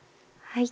はい。